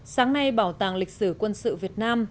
sáng nay bảo tàng lịch sử quân sự việt nam